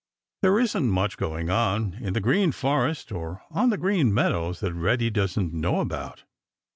There isn't much going on in the Green Forest or on the Green Meadows that Reddy doesn't know about.